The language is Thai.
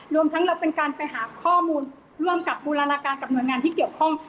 รวมทั้งเราเป็นการไปหาข้อมูลร่วมกับบูรณาการกับหน่วยงานที่เกี่ยวข้อง